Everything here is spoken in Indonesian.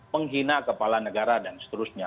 penghina kepala negara dan seterusnya